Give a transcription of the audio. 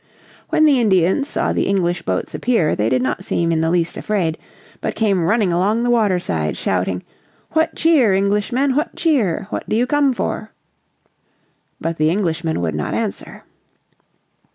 When the Indians saw the English boats appear they did not seem in the least afraid, but came running along the water side shouting, "What cheer, Englishmen, what cheer? What do you come for?" But the Englishmen would not answer.